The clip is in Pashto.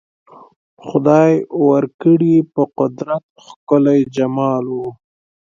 خدای ورکړی په قدرت ښکلی جمال وو